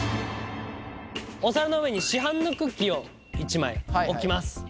お皿の上に市販のクッキーを１枚置きます。